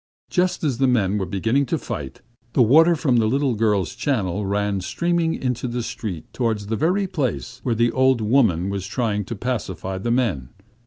Just as the men were beginning to fight, the water from the little girls' channel ran streaming into the street towards the very place where the old woman was trying to pacify the men.